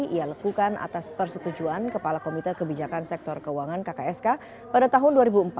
ia lakukan atas persetujuan kepala komite kebijakan sektor keuangan kksk pada tahun dua ribu empat